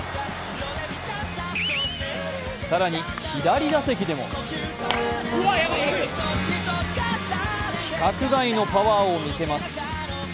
更に左打席でも規格外のパワーを見せます。